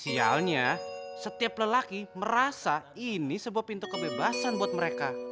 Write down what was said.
sialnya setiap lelaki merasa ini sebuah pintu kebebasan buat mereka